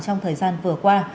trong thời gian vừa qua